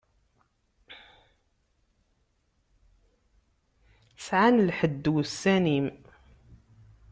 Sɛan lḥedd wussan-im.